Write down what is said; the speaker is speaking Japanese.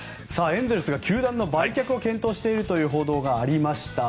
エンゼルスが球団の売却を検討しているという報道がありました。